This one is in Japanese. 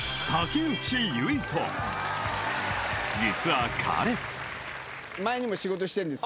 ［実は彼］